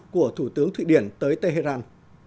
của thủ tướng thụy điển tới tehran